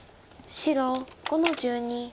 白５の十二。